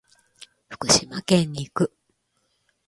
福島県に行く。